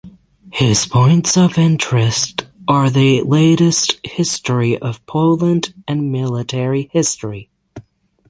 His points of interest are the latest history of Poland and military history.